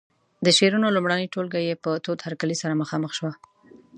د شعرونو لومړنۍ ټولګه یې په تود هرکلي سره مخامخ شوه.